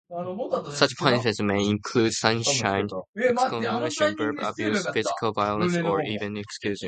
Such punishment may include shunning, excommunication, verbal abuse, physical violence, or even execution.